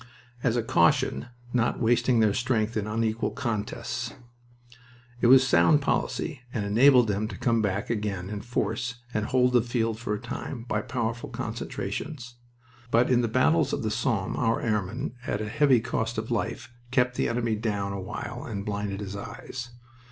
As a caution, not wasting their strength in unequal contests. It was a sound policy, and enabled them to come back again in force and hold the field for a time by powerful concentrations. But in the battles of the Somme our airmen, at a heavy cost of life, kept the enemy down a while and blinded his eyes.